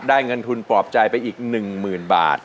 เงินทุนปลอบใจไปอีก๑๐๐๐บาท